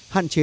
hạn chế là